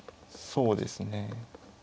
そうですね。